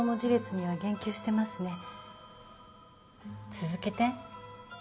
続けて。